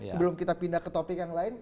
sebelum kita pindah ke topik yang lain